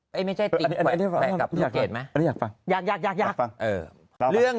แป๊บ